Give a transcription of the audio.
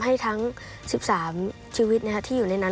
ให้ทั้ง๑๓ชีวิตที่อยู่ในนั้น